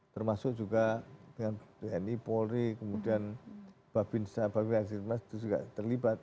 termasuk juga dengan dni polri kemudian babinsa babi laksinmas itu juga terlibat